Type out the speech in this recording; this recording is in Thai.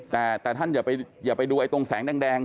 แต่ท่านอย่าไปดูตรงแสงแดง